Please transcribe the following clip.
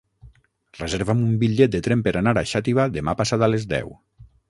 Reserva'm un bitllet de tren per anar a Xàtiva demà passat a les deu.